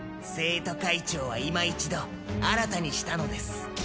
生徒会長は今一度新たにしたのです。